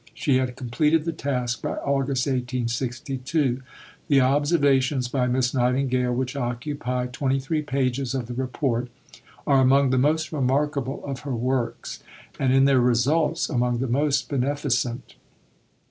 She had completed the task by August 1862. The "Observations by Miss Nightingale," which occupy twenty three pages of the Report, are among the most remarkable of her Works, and in their results among the most beneficent.